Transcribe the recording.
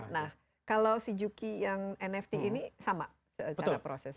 nah kalau si juki yang nft ini sama secara prosesnya